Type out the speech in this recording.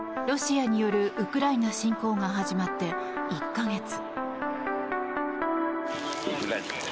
ロシアによるウクライナ侵攻が始まって１か月。